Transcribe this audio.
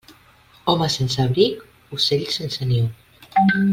Home sense abric, ocell sense niu.